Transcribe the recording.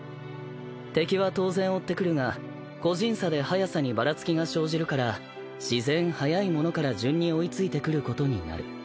敵は当然追ってくるが個人差で速さにばらつきが生じるから自然速い者から順に追い付いてくることになる。